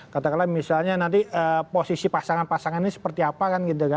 katakanlah misalnya nanti posisi pasangan pasangan ini seperti apa kan gitu kan